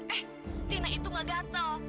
eh tina itu gak gatel